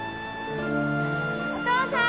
お父さん！